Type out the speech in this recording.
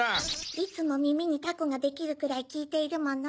いつもみみにタコができるくらいきいているもの。